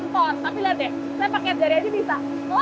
tapi lihat deh saya pakai jari aja bisa